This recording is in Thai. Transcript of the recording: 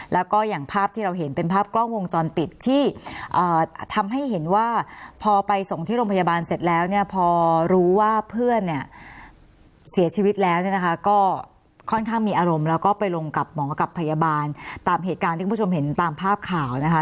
แล้วก็อย่างภาพที่เราเห็นเป็นภาพกล้องวงจรปิดที่ทำให้เห็นว่าพอไปส่งที่โรงพยาบาลเสร็จแล้วเนี่ยพอรู้ว่าเพื่อนเนี่ยเสียชีวิตแล้วเนี่ยนะคะก็ค่อนข้างมีอารมณ์แล้วก็ไปลงกับหมอกับพยาบาลตามเหตุการณ์ที่คุณผู้ชมเห็นตามภาพข่าวนะคะ